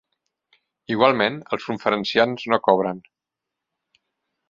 igualment, els conferenciants no cobren.